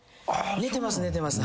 寝てます寝てます。